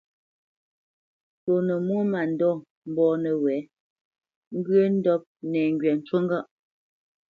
Ntsónə́ mwô mândɔ̂ mbɔ̂ nəwɛ̌, ŋgyə̂ ndɔ́p nɛŋgywa ncú ŋgâʼ.